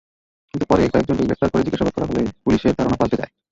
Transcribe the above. কিন্তু পরে কয়েকজনকে গ্রেপ্তার করে জিজ্ঞাসাবাদ করা হলে পুলিশের ধারণা পাল্টে যায়।